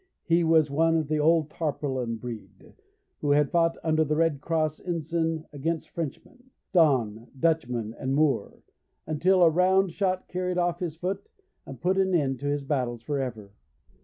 He was one of the old tarpaulin breed, who had fought under the red cross ensign against Frenchman, Don, Dutchman, and Moor, until a round shot carried off his foot and put an end to his battles for ever.